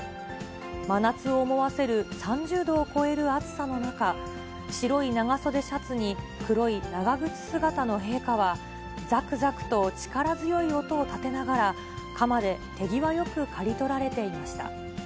真夏を思わせる３０度を超える暑さの中、白い長袖シャツに黒い長靴姿の陛下は、ざくざくと力強い音を立てながら、鎌で手際よく刈り取られていました。